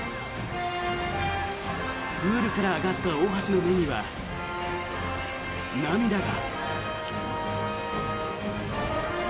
プールから上がった大橋の目には涙が。